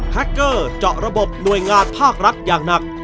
แคคเกอร์เจาะระบบหน่วยงานภาครัฐอย่างหนัก